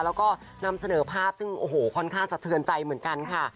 แล้วก็นำเสนอภาพซึ่งโอ้โหค่อนข้างสะเทือนใจเหมือนกันค่ะ